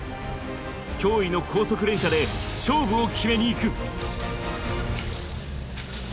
驚異の高速連射で勝負を決めにいく！